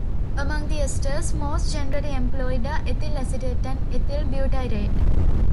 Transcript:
Among the esters most generally employed are ethyl acetate and ethyl butyrate.